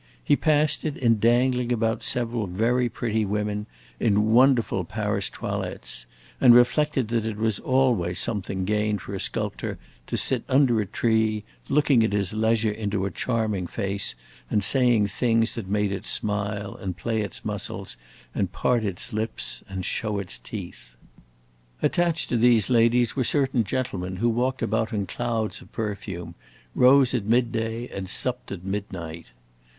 He passed it in dangling about several very pretty women in wonderful Paris toilets, and reflected that it was always something gained for a sculptor to sit under a tree, looking at his leisure into a charming face and saying things that made it smile and play its muscles and part its lips and show its teeth. Attached to these ladies were certain gentlemen who walked about in clouds of perfume, rose at midday, and supped at midnight.